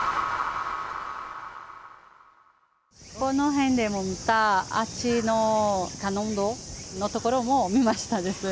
この辺でも見た、あっちの観音堂の所も見ましたです。